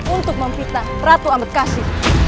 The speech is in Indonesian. untuk mempunyai ratu ambekasi